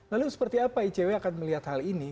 lalu seperti apa icw akan melihat hal ini